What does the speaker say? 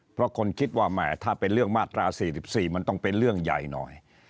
เพราะคนคิดว่าแหมถ้าเป็นเรื่องมาตรา๔๔มันต้องเป็นเรื่องใหญ่หน่อย